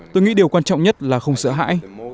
tôi nghĩ điều quan trọng nhất là không sợ hãi